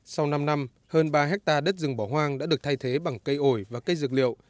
sau năm năm hơn ba hectare đất rừng bỏ hoang đã được thay thế bằng cây ổi và cây dược liệu